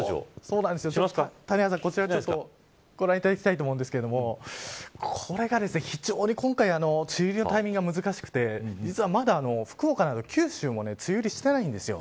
谷原さん、こちらご覧いただきたいと思うんですがこれが非常に今回梅雨入りのタイミングが難しくて実は、まだ福岡など九州も梅雨入りしてないんです。